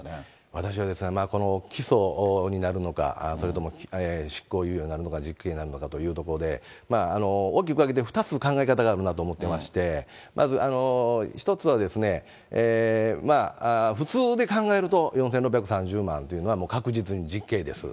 私はですね、起訴になるのか、それとも執行猶予になるのか、実刑になるのかというところで、大きく分けて２つ考え方があるなと思っていまして、まず、１つは、普通で考えると、４６３０万というのは、確実に実刑です。